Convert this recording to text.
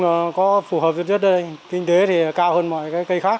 nó có phù hợp với kinh tế thì cao hơn mọi cái cây khác